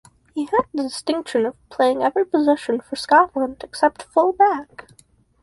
He had the distinction of playing every position for Scotland except Full Back.